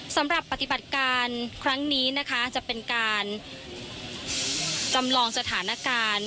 สำหรับปฏิบัติการครั้งนี้นะคะจะเป็นการจำลองสถานการณ์